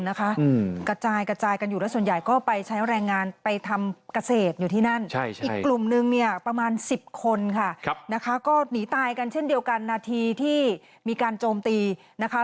ตายกันเช่นเดียวกันนาธีที่มีการโจมตีนะคะ